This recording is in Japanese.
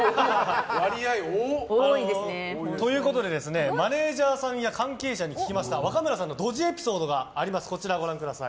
割合、多っ！ということでマネジャーさんや関係者に聞きました若村さんのドジエピソードがあります。